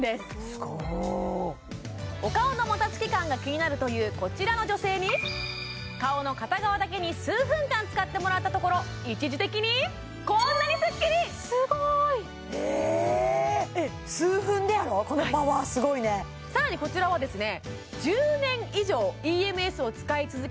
すごお顔のもたつき感が気になるというこちらの女性に顔の片側だけに数分間使ってもらったところ一時的にこんなにスッキリすごいへえ数分でやろこのパワーすごいねさらにこちらはですね